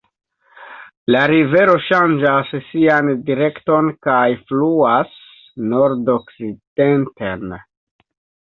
La rivero ŝanĝas sian direkton kaj fluas nordokcidenten.